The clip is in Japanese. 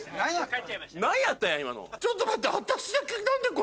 ちょっと待って。